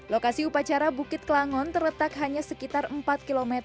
lokasi upacara bukit kelangon terletak hanya sekitar empat km